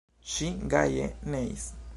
Ŝi gaje neis.